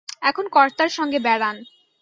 এখন কর্তার সঙ্গে বেড়ান।